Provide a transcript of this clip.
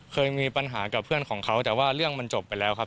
เคยมีปัญหากับเพื่อนของเขาแต่ว่าเรื่องมันจบไปแล้วครับ